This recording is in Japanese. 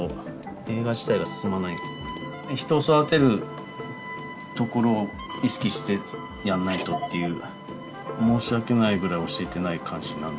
人を育てるところを意識してやんないとっていう申し訳ないぐらい教えてない感じなんで。